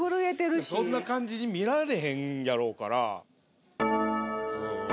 そんな感じに見られへんやろうから。